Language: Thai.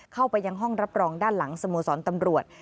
เข้าไปยังห้องรับรองด้านหลังสโมสรตำรวจ